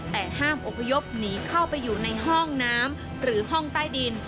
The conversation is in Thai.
แต่ห้ามอพยพหนีเข้าไปอยู่ในห้องน้ำหรือห้องใต้ดิน